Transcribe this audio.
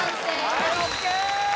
はーいＯＫ